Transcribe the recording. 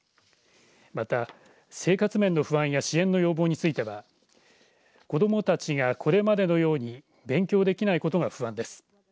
また生活面の不安や支援の要望については子どもたちがこれまでのように勉強できないことが不安です。